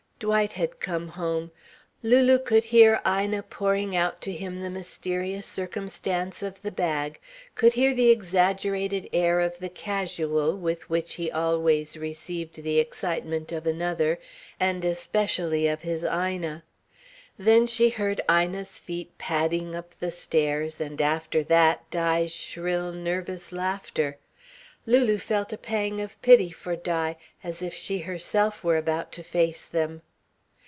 Dwight had come home. Lulu could hear Ina pouring out to him the mysterious circumstance of the bag, could hear the exaggerated air of the casual with which he always received the excitement of another, and especially of his Ina. Then she heard Ina's feet padding up the stairs, and after that Di's shrill, nervous laughter. Lulu felt a pang of pity for Di, as if she herself were about to face them.